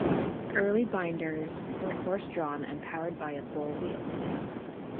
Early binders were horse-drawn and powered by a bull wheel.